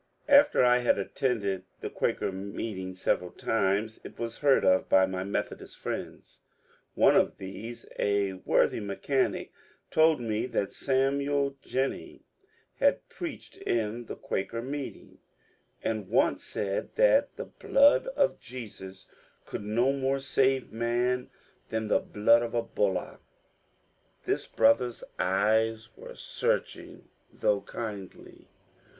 After I had attended the Quaker meeting several times, it was heard of by my Methodist friends. One of these, a worthy mechanic, told me that Samuel Janney had preached in the Quaker meeting, and once said that 'Uhe blood of Jesus could no more save man than the blood of a bullock." This brother's eyes were searching though kindly.